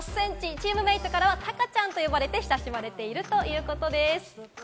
チームメイトからはタカちゃんと呼ばれて親しまれているということです。